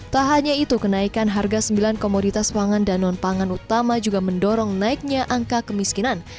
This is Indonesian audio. tak hanya itu kenaikan harga sembilan komoditas pangan dan non pangan utama juga mendorong naiknya angka kemiskinan